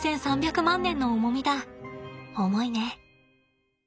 重いね。